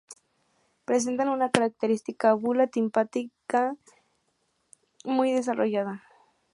Presentan una característica bulla timpánica muy desarrollada.